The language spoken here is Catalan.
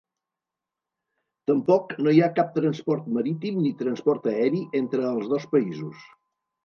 Tampoc no hi ha cap transport marítim ni transport aeri entre els dos països.